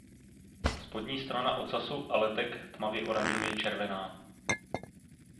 Spodní strana ocasu a letek tmavě oranžově červená.